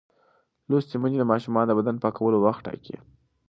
لوستې میندې د ماشومانو د بدن پاکولو وخت ټاکي.